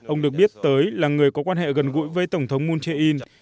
ông được biết tới là người có quan hệ gần gũi với tổng thống moon jae in